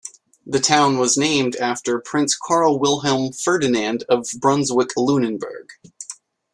The town was named after Prince Karl Wilhelm Ferdinand of Brunswick-Lunenburg.